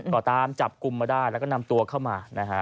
ก็ตามจับกลุ่มมาได้แล้วก็นำตัวเข้ามานะฮะ